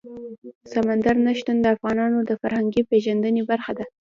سمندر نه شتون د افغانانو د فرهنګي پیژندنې برخه ده.